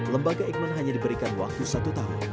lembaga eijkman hanya diberikan waktu satu tahun